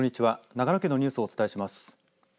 長野県のニュースをお伝えします。